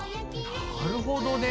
なるほどね！